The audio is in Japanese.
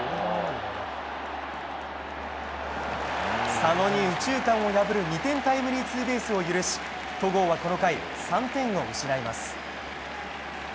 佐野に右中間を破る２点タイムリーツーベースを許し戸郷は、この回３点を失います。